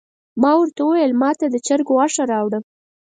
ما ورته وویل ماته د چرګ غوښه راوړه.